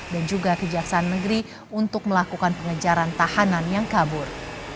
dan juga kejaksaan negeri untuk melakukan pengejaran tahanan yang kabur